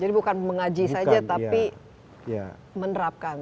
jadi bukan mengaji saja tapi menerapkan